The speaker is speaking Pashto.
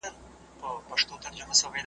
ښار دي جهاني د تورتمونو غېږ ته مخه کړه .